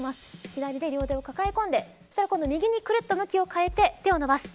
左で両手を抱え込んで今度は右にくるっと向きを変えて手を伸ばす。